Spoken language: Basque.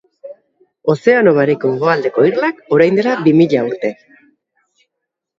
Ozeano Bareko hegoaldeko irlak, orain dela bi mila urte.